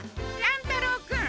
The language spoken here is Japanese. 乱太郎君！